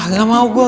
nggak mau gue